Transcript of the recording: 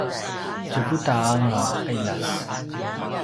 tjevuta anga qiljas